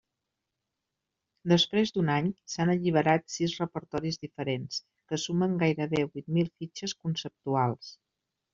Després d'un any s'han alliberat sis repertoris diferents, que sumen gairebé vuit mil fitxes conceptuals.